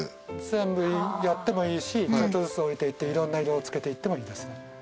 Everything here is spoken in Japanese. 全部やってもいいしちょっとずつ置いていっていろんな色をつけていってもいいです。